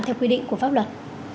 theo quy định của pháp luật